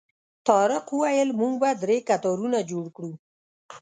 طارق وویل موږ به درې کتارونه جوړ کړو.